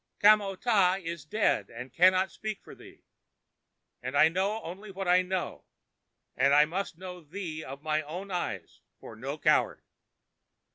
"Kamo tah is dead and cannot speak for thee, and I know only what I know, and I must know thee of my own eyes for no coward."